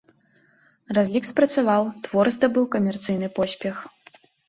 Разлік спрацаваў, твор здабыў камерцыйны поспех.